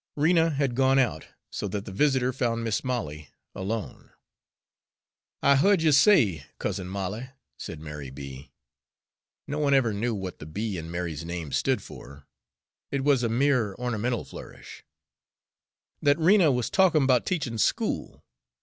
Rena had gone out, so that the visitor found Mis' Molly alone. "I heared you say, Cousin Molly," said Mary B. (no one ever knew what the B. in Mary's name stood for, it was a mere ornamental flourish), "that Rena was talkin' 'bout teachin' school.